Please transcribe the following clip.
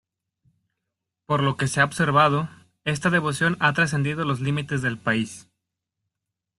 Por lo que se ha observado, esta devoción ha trascendido los límites del país.